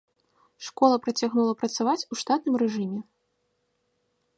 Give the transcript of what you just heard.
Школа працягнула працаваць у штатным рэжыме.